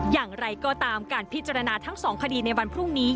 อย่างไรก็ตามการพิจารณาทั้งสองคดีในวันพรุ่งนี้